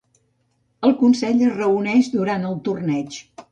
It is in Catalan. El consell es reuneix durant el torneig.